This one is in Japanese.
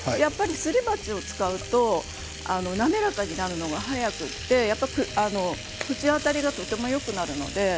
すり鉢を使うと滑らかになるのも早くて口当たりもとてもよくなります。